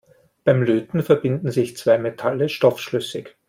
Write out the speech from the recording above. Beim Löten verbinden sich zwei Metalle stoffschlüssig.